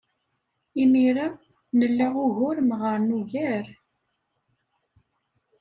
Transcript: Imir-a, nla ugur meɣɣren ugar.